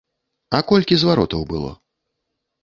А колькі зваротаў было?